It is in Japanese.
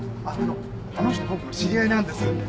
あの人僕の知り合いなんです。